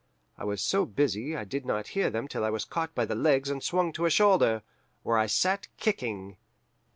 I was so busy I did not hear them till I was caught by the legs and swung to a shoulder, where I sat kicking.